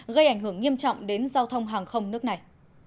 gây ảnh hưởng nghiêm trọng đến giao thông hàng không nước này